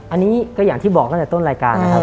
อันนี้ก็อย่างที่บอกตั้งแต่ต้นรายการนะครับ